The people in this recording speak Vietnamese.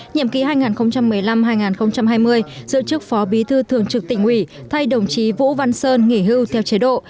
nhiệm ký hai nghìn một mươi năm hai nghìn hai mươi dự trức phó bí thư thường trực tỉnh ủy thay đồng chí vũ văn sơn nghỉ hưu theo chế độ